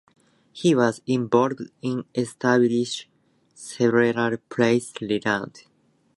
He was involved in establishing Cerebral Palsy Ireland.